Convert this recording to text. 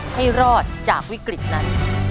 ให้รอดจากวิกฤตนั้น